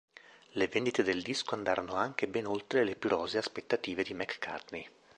Le vendite del disco andarono anche ben oltre le più rosee aspettative di McCartney.